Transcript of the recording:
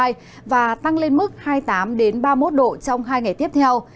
nhiệt độ cao nhất ở khu vực tây nguyên phổ biến ở mức là hai mươi tám đến ba mươi một độ trong hai ngày tiếp theo